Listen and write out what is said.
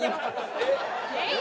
えっ。